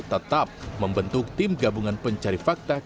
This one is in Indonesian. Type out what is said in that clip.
tetap membentuk tim gabungan pencari fakta atau tgpf